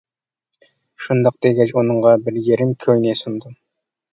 شۇنداق دېگەچ ئۇنىڭغا بىر يېرىم كوينى سۇندۇم.